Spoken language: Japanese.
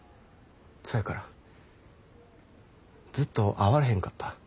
そやからずっと会われへんかった。